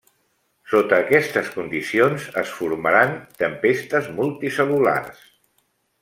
Sota aquestes condicions es formaran tempestes multicel·lulars.